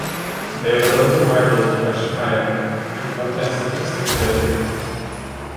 They are the local rivals of Ajaccio and contest the Corsica derby.